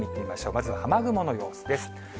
まずは雨雲の様子です。